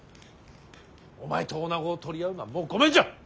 お前と女子を取り合うのはもうごめんじゃ。